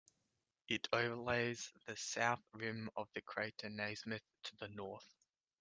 It overlays the south rim of the crater Nasmyth to the north.